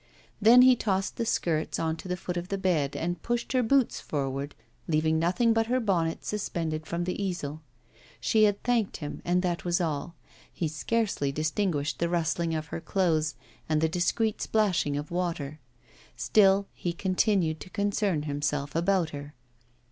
Then he tossed the skirts on to the foot of the bed and pushed her boots forward, leaving nothing but her bonnet suspended from the easel. She had thanked him and that was all; he scarcely distinguished the rustling of her clothes and the discreet splashing of water. Still he continued to concern himself about her.